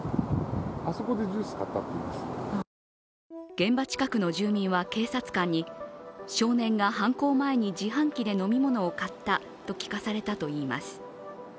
現場近くの住民は警察官に少年が犯行前に自販機で飲み物を買ったと聞かされたといいます。